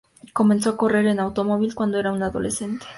Comenzó a correr en automóvil cuando era un adolescente.